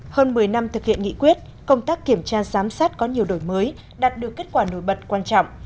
hơn một mươi năm thực hiện nghị quyết công tác kiểm tra giám sát có nhiều đổi mới đạt được kết quả nổi bật quan trọng